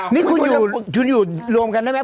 นี่คุณอยู่รวมกันได้ไหม